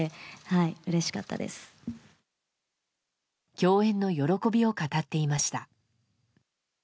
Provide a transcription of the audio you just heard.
共演の喜びを語っていました。